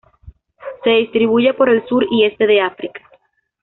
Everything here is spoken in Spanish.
Se distribuye por el sur y este de África.